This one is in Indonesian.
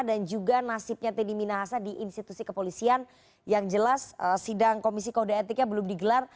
dan juga nasibnya t d minahasa di institusi kepolisian yang jelas sidang komisi kode etiknya belum digelar